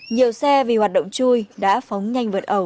nhiều xe vì hoạt động chui đã phóng nhanh vượt ẩu